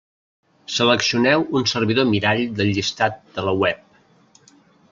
Seleccioneu un servidor mirall del llistat de la web.